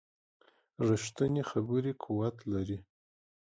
ریښتینې خبرې قوت لري